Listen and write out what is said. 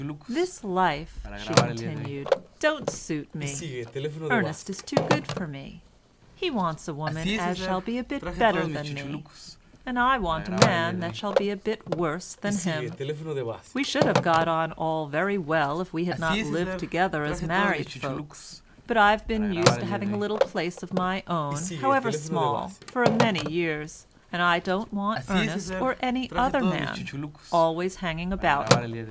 "This life," she continued, "don't suit me. Ernest is too good for me; he wants a woman as shall be a bit better than me, and I want a man that shall be a bit worse than him. We should have got on all very well if we had not lived together as married folks, but I've been used to have a little place of my own, however small, for a many years, and I don't want Ernest, or any other man, always hanging about it.